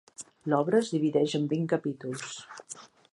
L'obra es divideix en vint capítols.